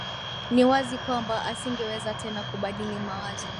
ni wazi kwamba asingeweza tena kubadili mawazo